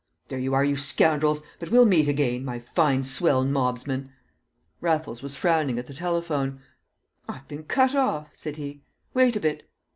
"There you are, you scoundrels! But we'll meet again, my fine swell mobsmen!" Raffles was frowning at the telephone. "I've been cut off," said he. "Wait a bit!